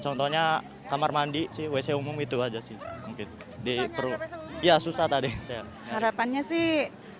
contohnya kamar mandi sih wc umum itu aja sih mungkin diperu ya susah tadi harapannya sih